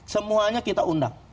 semuanya kita undang